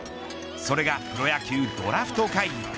それがプロ野球ドラフト会議。